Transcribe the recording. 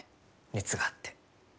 熱があって。